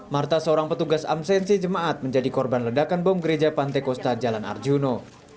marta seorang petugas absensi jemaat menjadi korban ledakan bom gereja pantekosta jalan arjuno